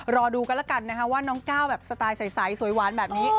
รอดูกันแล้วกันนะคะว่าน้องก้าวแบบสไตล์ใสสวยหวานแบบนี้